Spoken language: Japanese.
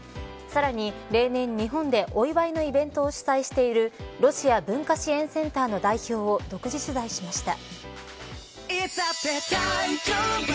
さらに例年、日本でお祝いのイベントを主催しているロシア文化支援センターの代表を独自取材しました。